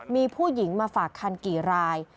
มีผู้หญิงมาฝากคันกี่ราย